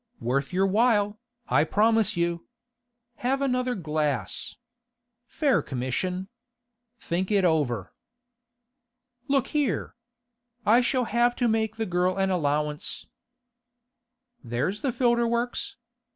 'Worth your while, I promise you. Have another glass. Fair commission. Think it over.' 'Look here! I shall have to make the girl an allowance.' 'There's the filter works.